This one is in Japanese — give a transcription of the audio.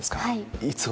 はい。